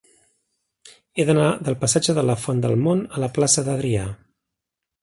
He d'anar del passatge de la Font del Mont a la plaça d'Adrià.